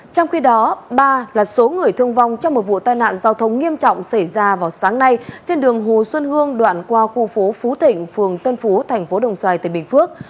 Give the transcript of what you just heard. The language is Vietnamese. trong khi đó ba là số người thương vong trong một vụ tai nạn giao thông nghiêm trọng xảy ra vào sáng nay trên đường hồ xuân hương đoạn qua khu phố phú thịnh phường tân phú tp đồng xoài tỉnh bình phước